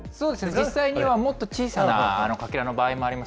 実際にはもっと小さなかけらの場合もあります。